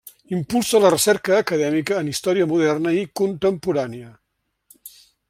Impulsa la recerca acadèmica en història moderna i contemporània.